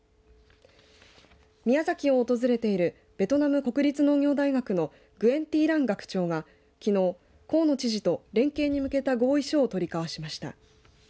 宮崎を訪れているベトナム国立農業大学のグエン・ティ・ラン学長がきのう河野知事と連携に向けた合意書を取り交わしました。